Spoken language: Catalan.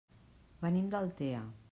Venim d'Altea.